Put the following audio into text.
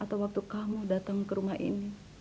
atau waktu kamu datang ke rumah ini